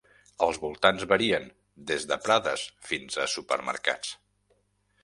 Els voltants varien, des de prades fins a supermercats.